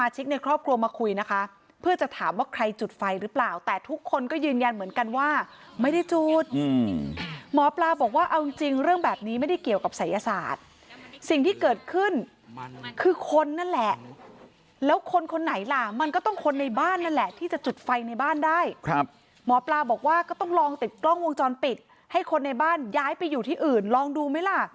จุดไฟหรือเปล่าแต่ทุกคนก็ยืนยันเหมือนกันว่าไม่ได้จุดหมอปลาบอกว่าเอาจริงเรื่องแบบนี้ไม่ได้เกี่ยวกับศัยศาสตร์สิ่งที่เกิดขึ้นคือคนนั่นแหละแล้วคนคนไหนล่ะมันก็ต้องคนในบ้านนั่นแหละที่จะจุดไฟในบ้านได้ครับหมอปลาบอกว่าก็ต้องลองติดกล้องวงจรปิดให้คนในบ้านย้ายไปอยู่ที่อื่นลองดูไหมล่ะ